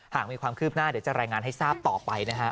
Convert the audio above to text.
หากมีความคืบหน้าเดี๋ยวจะรายงานให้ทราบต่อไปนะฮะ